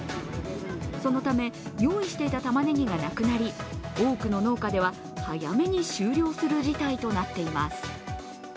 そのため、用意していたたまねぎがなくなり多くの農家では早めに終了する事態となっています。